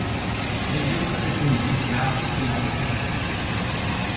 Vegeu un recull fotogràfic de la protesta.